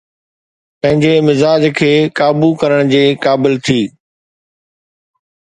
پنهنجي مزاج کي قابو ڪرڻ جي قابل ٿي.